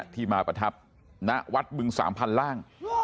ที่มาประทับณวัดบึงสามพันธ์ล่าง